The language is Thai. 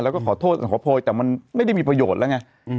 แล้วก็ขอโทษขอโพยแต่มันไม่ได้มีประโยชน์แล้วไง